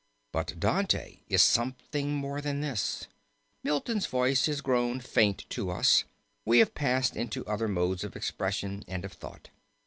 But Dante is something more than this. Milton's voice is grown faint to us we have passed into other modes of expression and of thought."